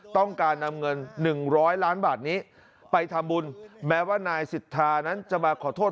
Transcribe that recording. ต้องการนำเงิน๑๐๐ล้านบาทนี้ไปทำบุญแม้ว่านายสิทธานั้นจะมาขอโทษ